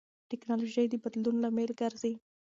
ټیکنالوژي د بدلون لامل ګرځي.